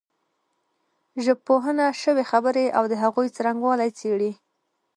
ژبپوهنه شوې خبرې او د هغوی څرنګوالی څېړي